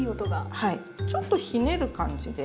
はいちょっとひねる感じで。